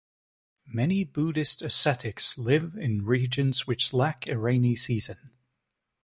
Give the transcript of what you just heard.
Many Buddhist ascetics live in regions which lack a rainy season.